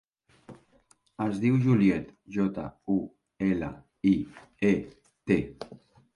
Es diu Juliet: jota, u, ela, i, e, te.